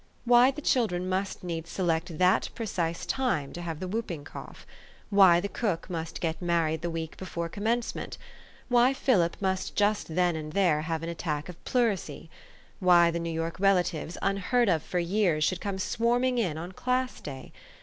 Why the chil dren must needs select that precise time to have the whooping cough? why the cook must get married the week before Commencement? why Philip must just then and there have an attack of pleurisy ? why the New York relatives, unheard of for years, should come swarming in on class day?